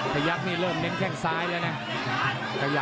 ยักษ์นี่เริ่มเน้นแข้งซ้ายแล้วนะ